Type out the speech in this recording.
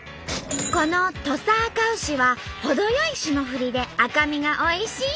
この「土佐あかうし」は程よい霜降りで赤身がおいしい